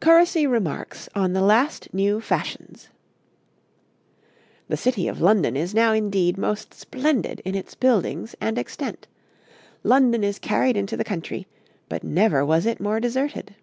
'CUROSY REMARKS ON THE LAST NEW FASHIONS. 'The City of London is now, indeed, most splendid in its buildings and extent; London is carried into the country; but never was it more deserted.